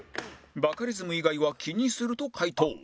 バカリズム以外は「気にする」と回答